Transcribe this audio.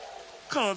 かぜ？